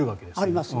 あります。